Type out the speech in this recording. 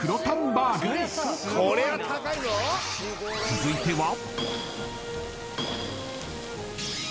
［続いては］